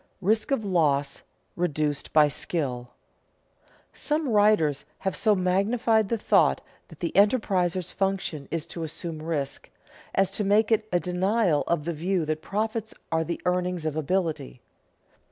[Sidenote: Risk of loss reduced by skill] Some writers have so magnified the thought that the enterpriser's function is to assume risk, as to make it a denial of the view that profits are the earnings of ability.